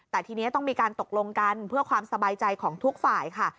แต่ทีนี้ต้องมีการตกลงกันเพื่อความสบายใจของทุกฝ่ายค่ะ